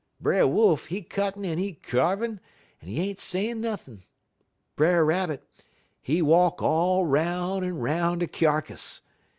"Brer Wolf, he cuttin' un he kyarvin' un he ain't sayin' nothin'. Brer Rabbit, he walk all 'roun' un 'roun' de kyarkiss.